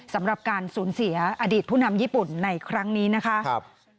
สำหรับการสูญเสียอดีตผู้นำญี่ปุ่นในครั้งนี้นะคะ